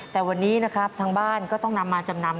แต่วันนี้นะครับทางบ้านก็ต้องนำมาจำนำ